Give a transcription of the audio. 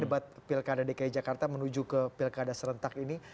debat pilkada dki jakarta menuju ke pilkada serentak ini